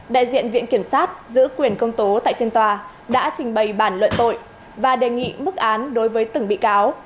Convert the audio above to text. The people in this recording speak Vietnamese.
đại diện viện kiểm sát giữ quyền công tố tại phiên tòa đã trình bày bản luận tội và đề nghị mức án đối với từng bị cáo